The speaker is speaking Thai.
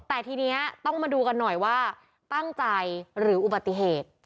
แต่ทีนี้ต้องมาดูกันหน่อยว่าตั้งใจหรืออุบัติเหตุ